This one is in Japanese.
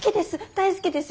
大好きです。